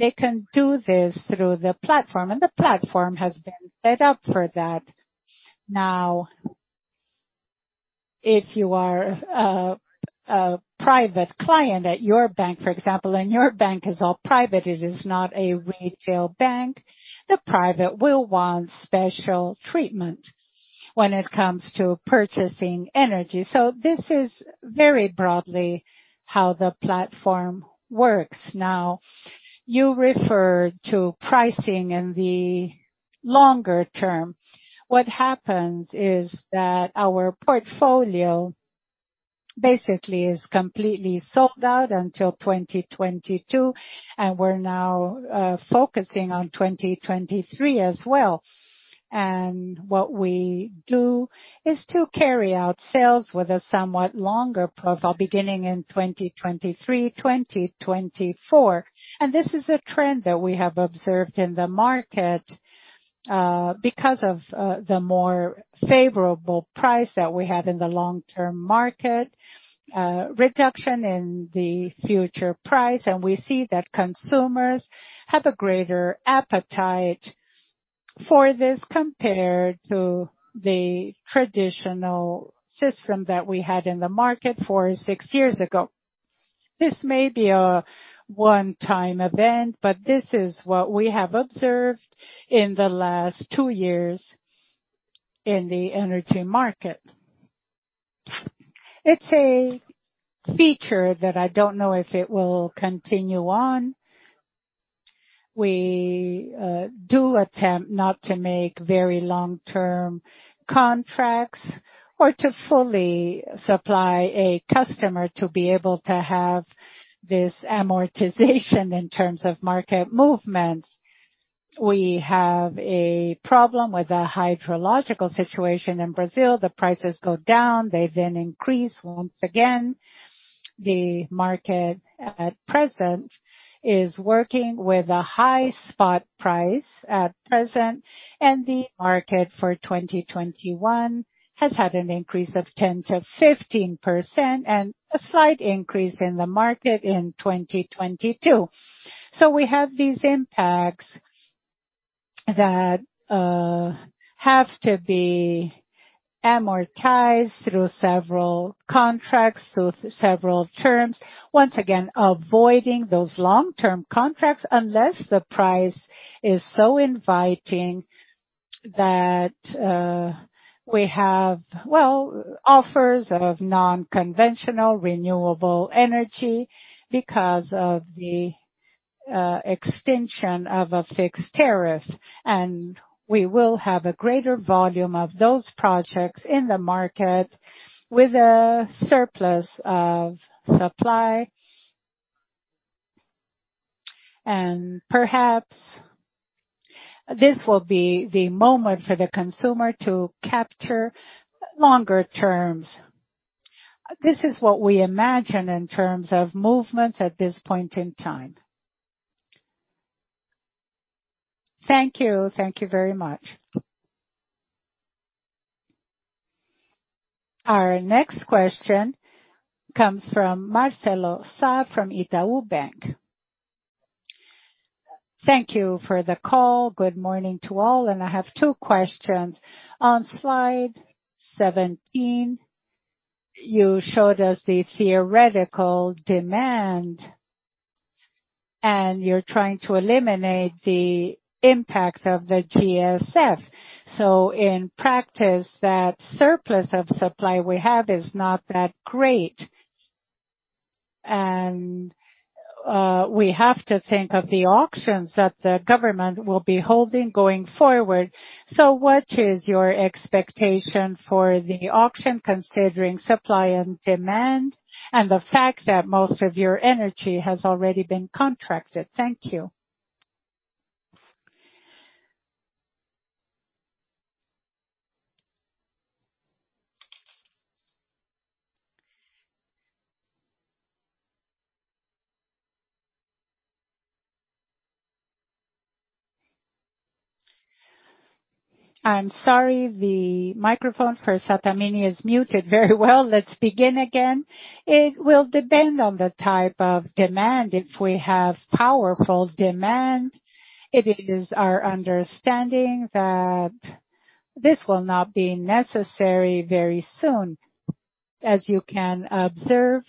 they can do this through the platform, and the platform has been set up for that. Now, if you are a private client at your bank, for example, and your bank is all private, it is not a retail bank, the private will want special treatment when it comes to purchasing energy. This is very broadly how the platform works. You refer to pricing in the longer term. What happens is that our portfolio basically is completely sold out until 2022, and we're now focusing on 2023 as well. What we do is to carry out sales with a somewhat longer profile beginning in 2023, 2024. This is a trend that we have observed in the market because of the more favorable price that we have in the long-term market, reduction in the future price, and we see that consumers have a greater appetite for this compared to the traditional system that we had in the market four or six years ago. This may be a one-time event, but this is what we have observed in the last two years in the energy market. It's a feature that I don't know if it will continue on. We do attempt not to make very long-term contracts or to fully supply a customer to be able to have this amortization in terms of market movements. We have a problem with a hydrological situation in Brazil. The prices go down. They then increase once again. The market at present is working with a high spot price at present, and the market for 2021 has had an increase of 10%-15% and a slight increase in the market in 2022. We have these impacts that have to be amortized through several contracts, through several terms, once again, avoiding those long-term contracts unless the price is so inviting that we have, well, offers of non-conventional renewable energy because of the extension of a fixed tariff. We will have a greater volume of those projects in the market with a surplus of supply. Perhaps this will be the moment for the consumer to capture longer terms. This is what we imagine in terms of movements at this point in time. Thank you. Thank you very much. Our next question comes from Marcelo Sa from Itaú Bank. Thank you for the call. Good morning to all. I have two questions. On slide 17, you showed us the theoretical demand, and you're trying to eliminate the impact of the GSF. In practice, that surplus of supply we have is not that great. We have to think of the auctions that the government will be holding going forward. What is your expectation for the auction considering supply and demand and the fact that most of your energy has already been contracted? Thank you. I'm sorry. The microphone for Sattamini is muted. Very well. Let's begin again. It will depend on the type of demand. If we have powerful demand, it is our understanding that this will not be necessary very soon. As you can observe,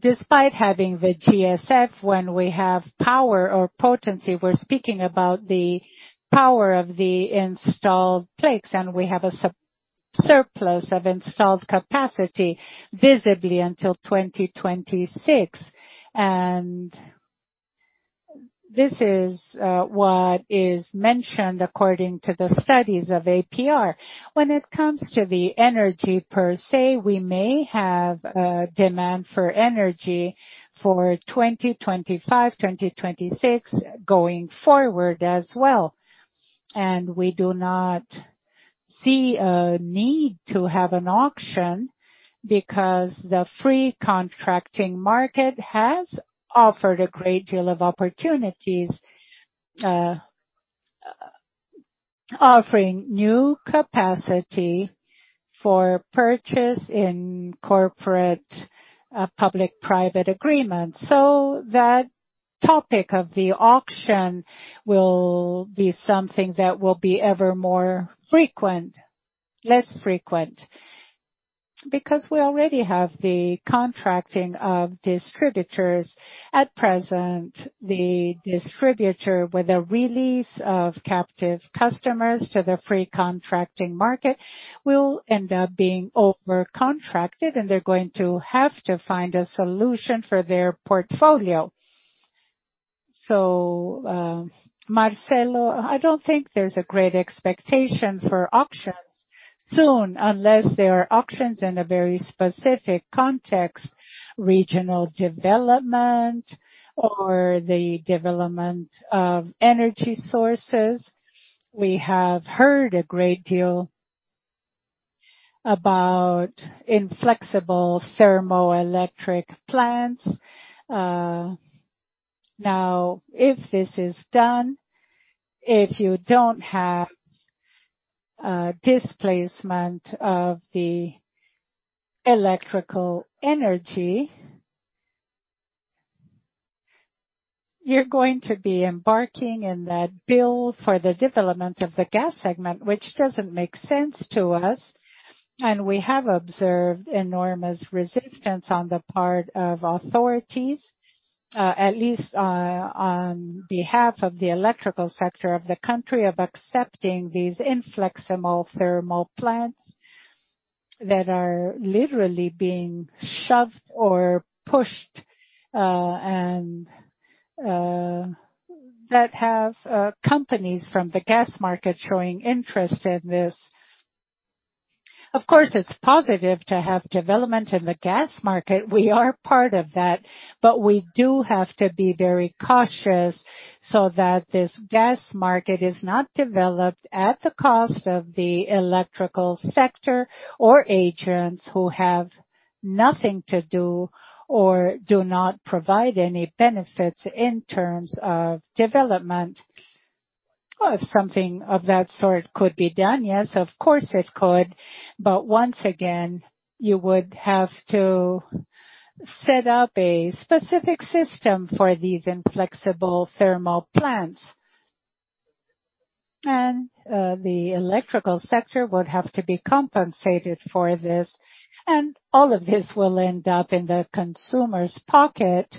despite having the GSF, when we have power or potency, we're speaking about the power of the installed plates and we have a surplus of installed capacity visibly until 2026. This is what is mentioned according to the studies of APR. When it comes to the energy per se, we may have demand for energy for 2025, 2026 going forward as well. We do not see a need to have an auction because the free contracting market has offered a great deal of opportunities offering new capacity for purchase in corporate public-private agreements. That topic of the auction will be something that will be ever more frequent, less frequent, because we already have the contracting of distributors. At present, the distributor with a release of captive customers to the free contracting market will end up being overcontracted, and they're going to have to find a solution for their portfolio. Marcelo, I don't think there's a great expectation for auctions soon unless there are auctions in a very specific context, regional development, or the development of energy sources. We have heard a great deal about inflexible thermoelectric plants. Now, if this is done, if you don't have displacement of the electrical energy, you're going to be embarking in that bill for the development of the gas segment, which doesn't make sense to us. We have observed enormous resistance on the part of authorities, at least on behalf of the electrical sector of the country, of accepting these inflexible thermal plants that are literally being shoved or pushed and that have companies from the gas market showing interest in this. Of course, it's positive to have development in the gas market. We are part of that, but we do have to be very cautious so that this gas market is not developed at the cost of the electrical sector or agents who have nothing to do or do not provide any benefits in terms of development. If something of that sort could be done, yes, of course it could. Once again, you would have to set up a specific system for these inflexible thermal plants. The electrical sector would have to be compensated for this. All of this will end up in the consumer's pocket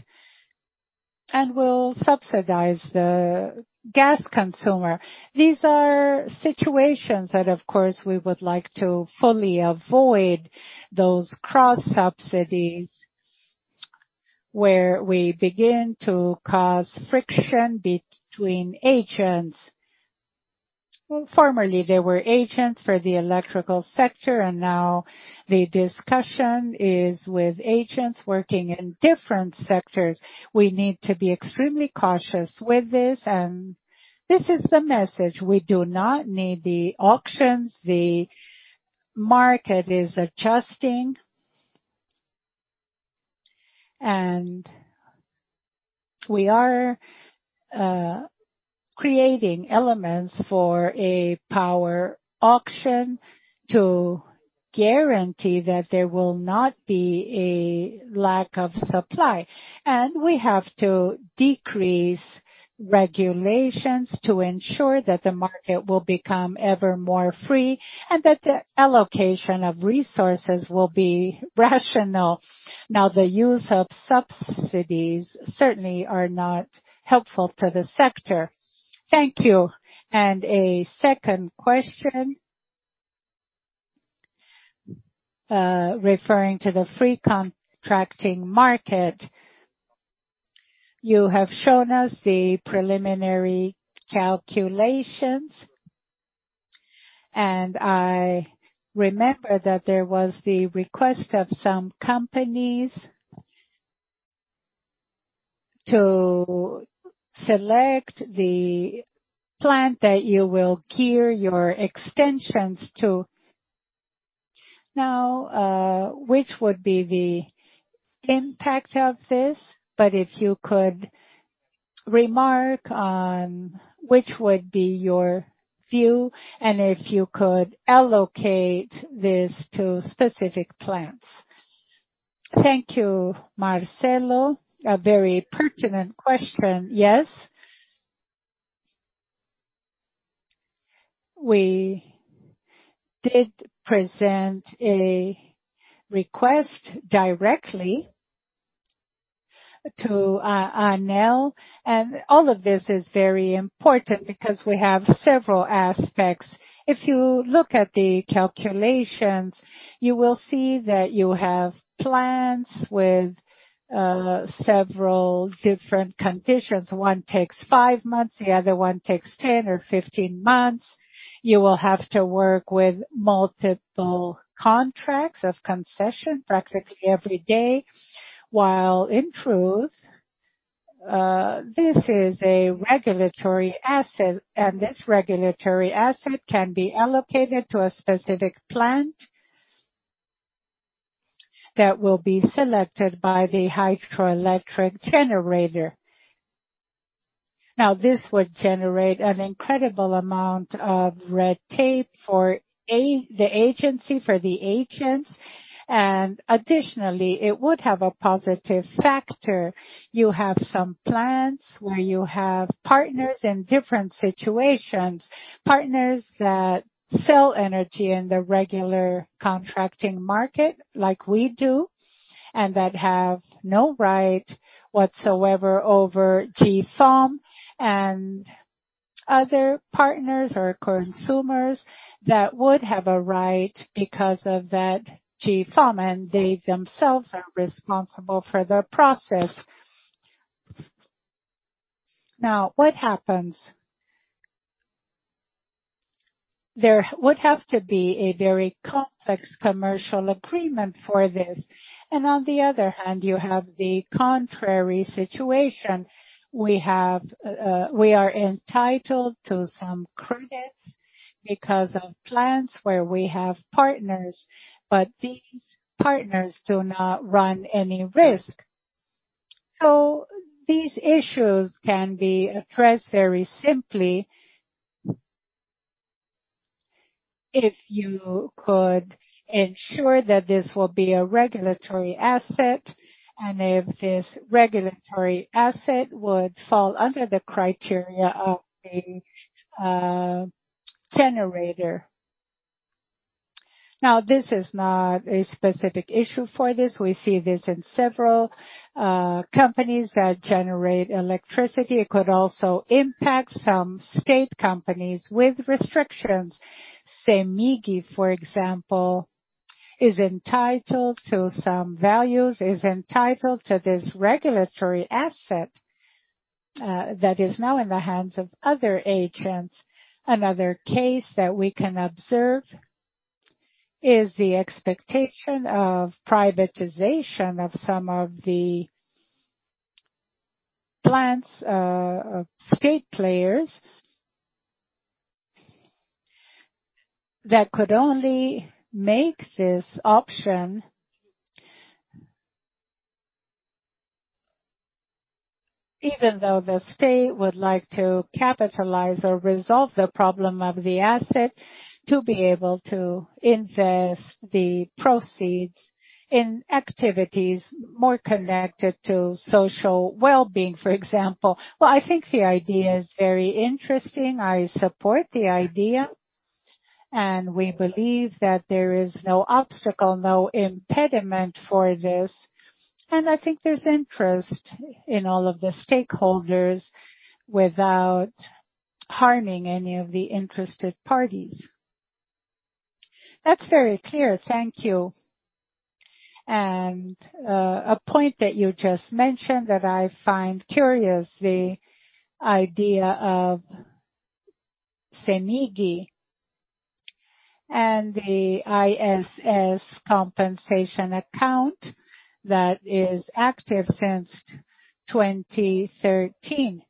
and will subsidize the gas consumer. These are situations that, of course, we would like to fully avoid, those cross-subsidies where we begin to cause friction between agents. Formerly, there were agents for the electrical sector, and now the discussion is with agents working in different sectors. We need to be extremely cautious with this. This is the message. We do not need the auctions. The market is adjusting. We are creating elements for a power auction to guarantee that there will not be a lack of supply. We have to decrease regulations to ensure that the market will become ever more free and that the allocation of resources will be rational. The use of subsidies certainly are not helpful to the sector. Thank you. A second question referring to the free contracting market. You have shown us the preliminary calculations. I remember that there was the request of some companies to select the plant that you will gear your extensions to. Now, which would be the impact of this? If you could remark on which would be your view and if you could allocate this to specific plants. Thank you, Marcelo. A very pertinent question. Yes. We did present a request directly to ANEEL. All of this is very important because we have several aspects. If you look at the calculations, you will see that you have plants with several different conditions. One takes five months. The other one takes 10 or 15 months. You will have to work with multiple contracts of concession practically every day. While in truth, this is a regulatory asset, and this regulatory asset can be allocated to a specific plant that will be selected by the hydroelectric generator. Now, this would generate an incredible amount of red tape for the agency, for the agents. Additionally, it would have a positive factor. You have some plants where you have partners in different situations, partners that sell energy in the regular contracting market like we do and that have no right whatsoever over GFOM and other partners or consumers that would have a right because of that GFOM, and they themselves are responsible for the process. Now, what happens? There would have to be a very complex commercial agreement for this. On the other hand, you have the contrary situation. We are entitled to some credits because of plants where we have partners, but these partners do not run any risk. These issues can be addressed very simply if you could ensure that this will be a regulatory asset and if this regulatory asset would fall under the criteria of a generator. Now, this is not a specific issue for this. We see this in several companies that generate electricity. It could also impact some state companies with restrictions. Cemig, for example, is entitled to some values, is entitled to this regulatory asset that is now in the hands of other agents. Another case that we can observe is the expectation of privatization of some of the plants of state players that could only make this option, even though the state would like to capitalize or resolve the problem of the asset, to be able to invest the proceeds in activities more connected to social well-being, for example. I think the idea is very interesting. I support the idea, and we believe that there is no obstacle, no impediment for this. I think there is interest in all of the stakeholders without harming any of the interested parties. That is very clear. Thank you. A point that you just mentioned that I find curious is the idea of Cemig and the ISS compensation account that is active since 2013.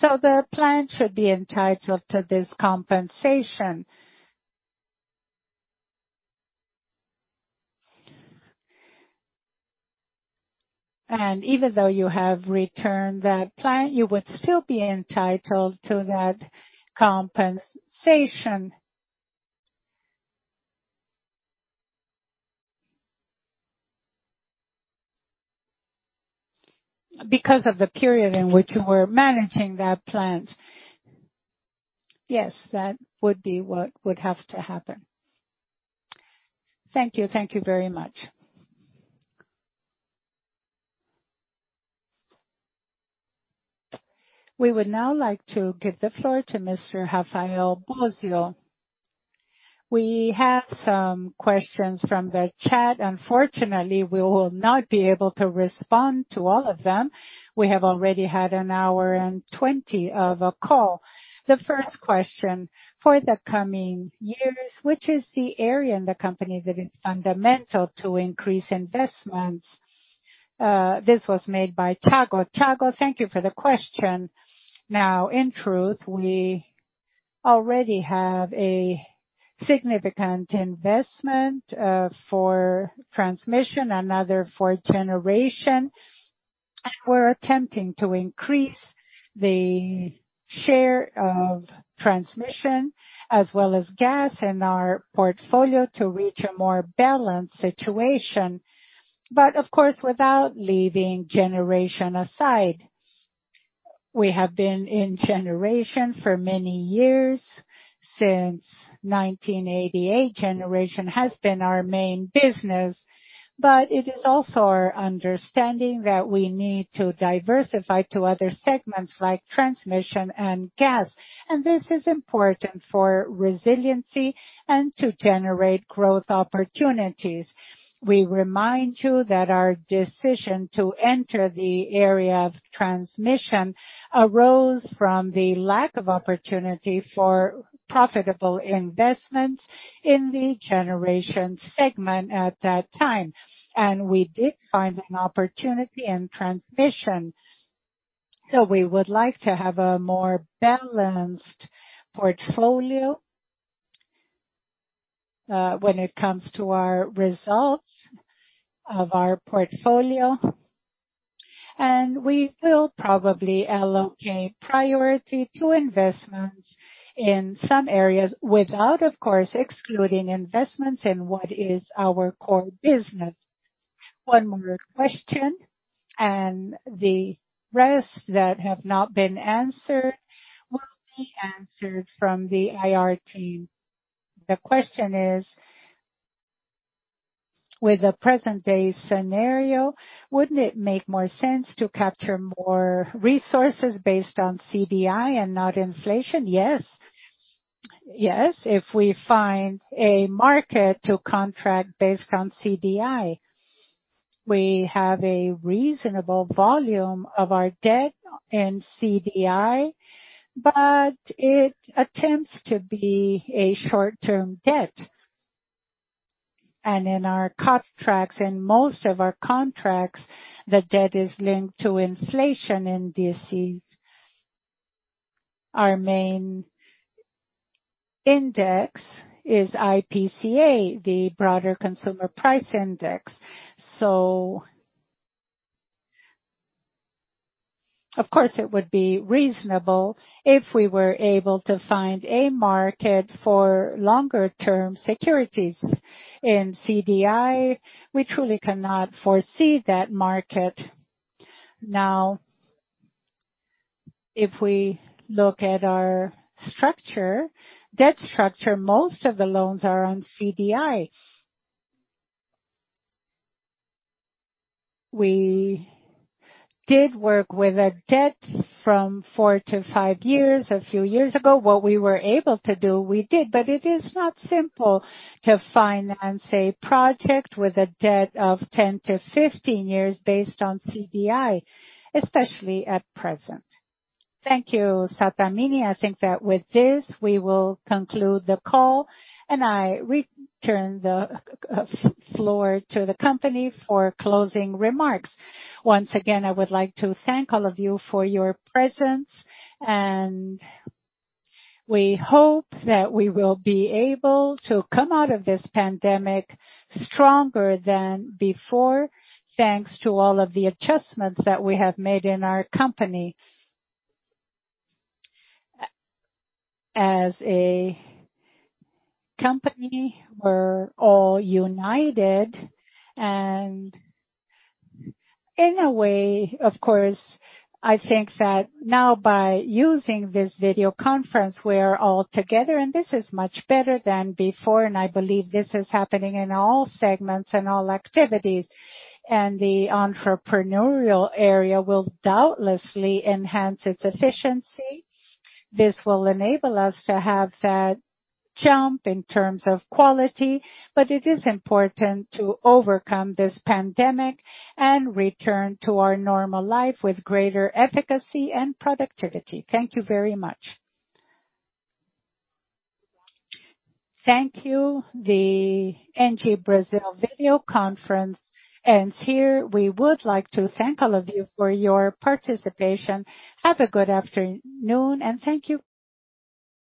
The plant should be entitled to this compensation. Even though you have returned that plant, you would still be entitled to that compensation because of the period in which you were managing that plant. Yes, that would be what would have to happen. Thank you. Thank you very much. We would now like to give the floor to Mr. Rafael Bósio. We have some questions from the chat. Unfortunately, we will not be able to respond to all of them. We have already had an hour and 20 of a call. The first question for the coming years, which is the area in the company that is fundamental to increase investments? This was made by Tiago. Tiago, thank you for the question. Now, in truth, we already have a significant investment for transmission, another for generation. We are attempting to increase the share of transmission as well as gas in our portfolio to reach a more balanced situation. Of course, without leaving generation aside, we have been in generation for many years. Since 1988, generation has been our main business, but it is also our understanding that we need to diversify to other segments like transmission and gas. This is important for resiliency and to generate growth opportunities. We remind you that our decision to enter the area of transmission arose from the lack of opportunity for profitable investments in the generation segment at that time. We did find an opportunity in transmission. We would like to have a more balanced portfolio when it comes to our results of our portfolio. We will probably allocate priority to investments in some areas without, of course, excluding investments in what is our core business. One more question, and the rest that have not been answered will be answered from the IR team. The question is, with the present-day scenario, would it not make more sense to capture more resources based on CDI and not inflation? Yes. Yes, if we find a market to contract based on CDI. We have a reasonable volume of our debt in CDI, but it tends to be a short-term debt. In our contracts, in most of our contracts, the debt is linked to inflation in CDI. Our main index is IPCA, the broader consumer price index. Of course, it would be reasonable if we were able to find a market for longer-term securities in CDI. We truly cannot foresee that market. Now, if we look at our structure, debt structure, most of the loans are on CDI. We did work with a debt from four to five years a few years ago. What we were able to do, we did. It is not simple to finance a project with a debt of 10-15 years based on CDI, especially at present. Thank you, Sattamini. I think that with this, we will conclude the call. I return the floor to the company for closing remarks. Once again, I would like to thank all of you for your presence. We hope that we will be able to come out of this pandemic stronger than before, thanks to all of the adjustments that we have made in our company. As a company, we're all united. In a way, of course, I think that now by using this video conference, we are all together. This is much better than before. I believe this is happening in all segments and all activities. The entrepreneurial area will doubtlessly enhance its efficiency. This will enable us to have that jump in terms of quality. It is important to overcome this pandemic and return to our normal life with greater efficacy and productivity. Thank you very much. Thank you. The ENGIE Brasil video conference ends here. We would like to thank all of you for your participation. Have a good afternoon. Thank you.